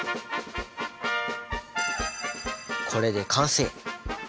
これで完成！